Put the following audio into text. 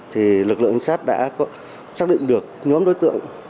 thì lực lượng trinh sát đã xác định được nhóm đối tượng